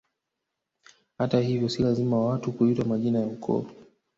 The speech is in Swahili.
Hata hivyo si lazima watu kuitwa majina ya ukoo